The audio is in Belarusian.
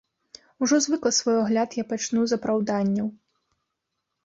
Ужо звыкла свой агляд я пачну з апраўданняў.